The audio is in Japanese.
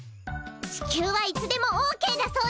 地球はいつでもオーケーだそうです！